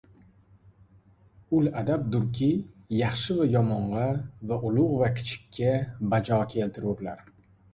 Ul adabdurki, yaxshi va yamong‘a va ulug va kichikka bajo keltirurlar.